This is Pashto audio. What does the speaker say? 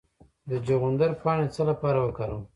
د چغندر پاڼې د څه لپاره وکاروم؟